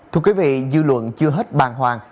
thưa quý vị dư luận chưa hết bàn hoàng